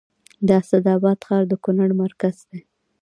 د اسعد اباد ښار د کونړ مرکز دی